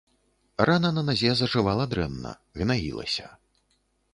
Рана на назе зажывала дрэнна, гнаілася.